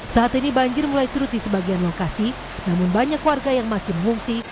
saat ini banjir mulai surut di sebagian lokasi namun banyak warga yang masih mengungsi